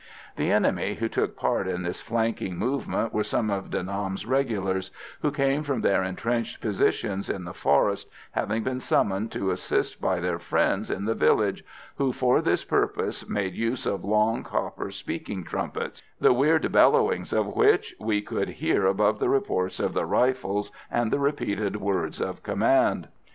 The enemy who took part in this flanking movement were some of De Nam's regulars, who came from their entrenched positions in the forest, having been summoned to assist by their friends in the village, who for this purpose made use of long, copper speaking trumpets, the weird bellowings of which we could hear above the reports of the rifles and the repeated words of command.